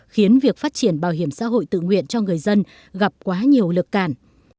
khiến việc phát triển bảo hiểm xã hội tự nguyện cho người dân gặp quá nhiều lực cản